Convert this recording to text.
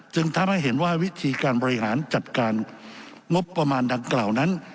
จึงทำให้เห็นว่าวิธีการบริหารจัดการงบประมาณดังกล่าวนั้น